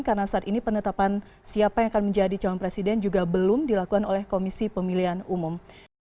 karena saat ini penetapan siapa yang akan menjadi calon presiden juga belum dilakukan oleh komisi pemilihan umum